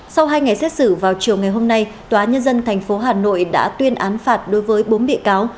sau hai ngày xét xử vào chiều ngày hôm nay tòa nhân dân tp hà nội đã tuyên án phạt đối với bốn bị cáo